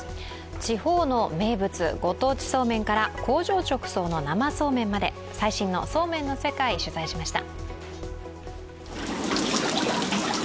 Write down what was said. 地方の名物、ご当地そうめんから工場直送の生そうめんまで最新のそうめんの世界、取材しました。